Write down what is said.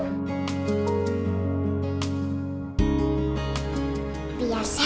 besok kita lari pagi yuk